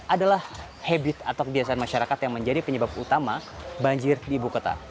adalah habit atau kebiasaan masyarakat yang menjadi penyebab utama banjir di ibu kota